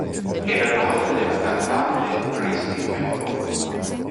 Era il padre della cantante Kirsty MacColl.